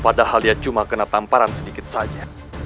padahal dia cuma kena tamparan sedikit saja